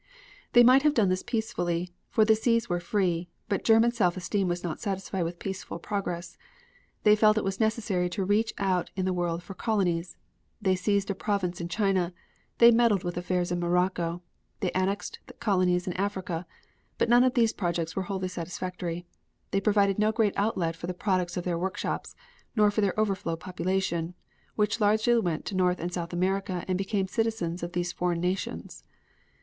They might have done this peacefully, for the seas were free, but German self esteem was not satisfied with peaceful progress. They felt that it was necessary to reach out in the world for colonies. They seized a province in China. They meddled with affairs in Morocco. They annexed colonies in Africa, but none of these projects were wholly satisfactory. They provided no great outlet for the products of their workshops, nor for their overflow population, which largely went to North and South America and became citizens of these foreign nations.